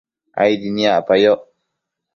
aidi niacpayoc